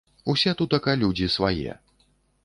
Усе тутака людзі свае.